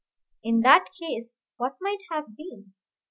In that case what might have been?